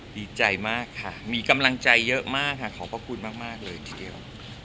ดีใจเค้าค่ะมีกำลังใจเยอะมากขอขอบคุณเลยเลยเฉยเดียว